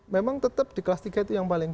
memang tetap di kelas tiga itu yang paling